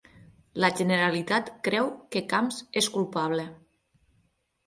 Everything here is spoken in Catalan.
La Generalitat creu que Camps és culpable